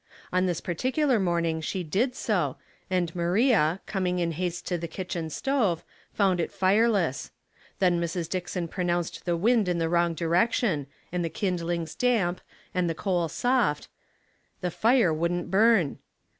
On this particular morning she did so, and Maria, coming in haste to the kitchen stove, found it fireless ; then Mrs. Dickson pronounced the wind in the wrong direction, and the kindlings damp, and the coal soft — the fire wouldn't burn.